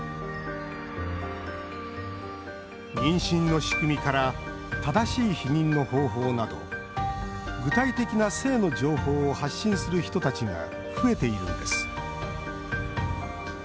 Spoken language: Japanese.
妊娠の仕組みから正しい避妊の方法など具体的な性の情報を発信する人たちが増えているんです。